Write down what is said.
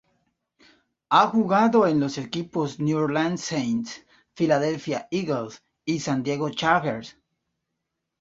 Ha jugado en los equipos New Orleans Saints, Philadelphia Eagles y San Diego Chargers.